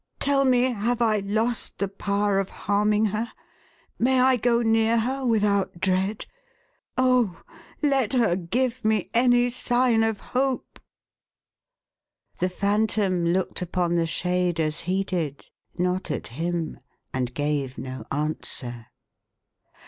Tell me have I lost the power of harming her? May I go near her without dread? Oh, let her give me any sign of hope !" The Phantom looked upon the shade as he did — not at him — and gave no answer.